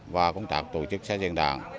và công tác tổ chức xã diện đảng